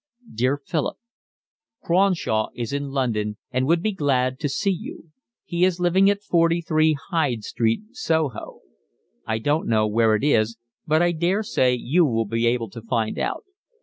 Dear Philip, Cronshaw is in London and would be glad to see you. He is living at 43 Hyde Street, Soho. I don't know where it is, but I daresay you will be able to find out.